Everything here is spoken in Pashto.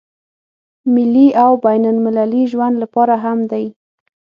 ملي او بين المللي ژوند لپاره هم دی.